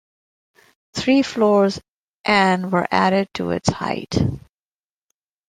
Three floors and were added to its height.